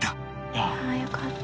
「ああよかった」